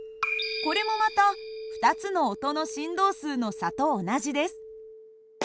これもまた２つの音の振動数の差と同じです。